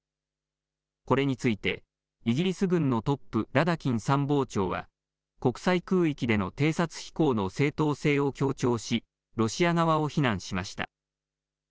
これについてイギリス軍のトップ、ラダキン参謀長は国際空域での偵察飛行の正当性を強調しロシア側を非難しました。